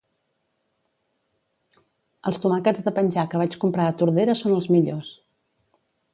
Els tomàquets de penjar que vaig comprar a Tordera són els millors